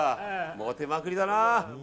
モテまくりだな！